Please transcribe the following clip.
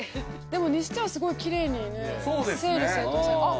でもにしてはすごいきれいに整理整頓され。